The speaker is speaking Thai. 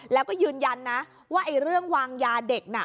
แล้วก็ยืนยันนะว่าไอ้เรื่องวางยาเด็กน่ะ